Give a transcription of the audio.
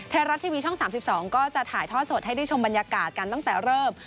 ไทยรัฐทีวีช่อง๓๒ก็จะถ่ายทอดสดให้ได้ชมบรรยากาศกันตั้งแต่เริ่ม